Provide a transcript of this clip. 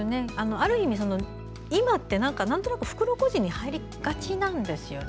ある意味今ってなんとなく袋小路に入りがちなんですよね。